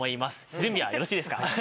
準備はよろしいですか？